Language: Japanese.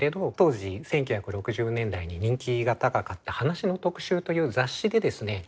当時１９６０年代に人気が高かった「話の特集」という雑誌でですね